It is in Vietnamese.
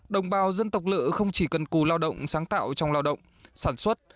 đồng bào dân tộc lự không chỉ cần cù lao động sáng tạo trong lao động sản xuất